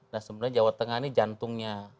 nah sebenarnya jawa tengah ini jantungnya